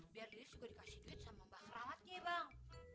biar lilis juga dikasih duit sama mbak krawatnya ya bang